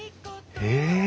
へえ。